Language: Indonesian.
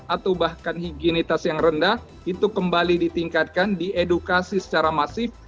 atau bahkan higienitas yang rendah itu kembali ditingkatkan diedukasi secara masif